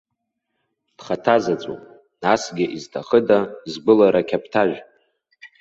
Дхаҭазаҵәуп, насгьы изҭахыда згәылара ақьаԥҭажә?